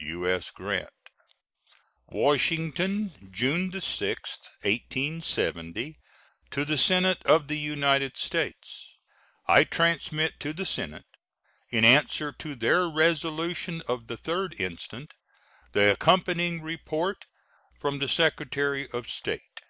U.S. GRANT. WASHINGTON, June 6, 1870. To the Senate of the United States: I transmit to the Senate, in answer to their resolution of the 3d instant, the accompanying report from the Secretary of State.